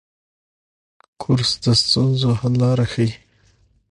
کورس د ستونزو حل لاره ښيي.